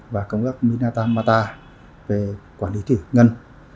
và công ước minatamata về quản lý thủy ngân